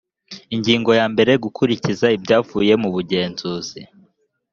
ingingo ya mbere gukurikiza ibyavuye mu bugenzuzi